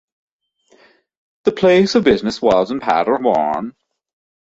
The place of business was in Paderborn.